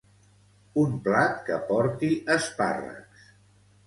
Un plat que porti espàrrecs.